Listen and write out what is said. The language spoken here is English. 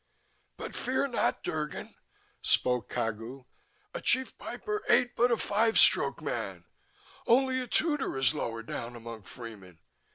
"But fear not, Drgon," spoke Cagu. "A Chief Piper ain't but a five stroke man. Only a tutor is lower down among freemen.